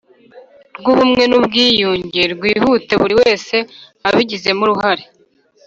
Rw ubumwe n ubwiyunge rwihute buri wese abigizemo uruhare